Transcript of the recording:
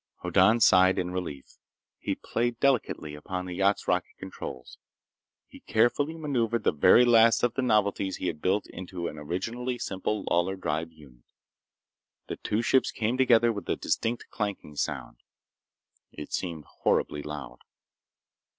Hoddan sighed in relief. He played delicately upon the yacht's rocket controls. He carefully maneuvered the very last of the novelties he had built into an originally simple Lawlor drive unit. The two ships came together with a distinct clanking sound. It seemed horribly loud.